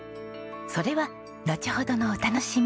それはのちほどのお楽しみ。